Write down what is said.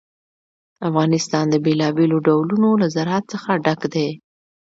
افغانستان د بېلابېلو ډولونو له زراعت څخه ډک دی.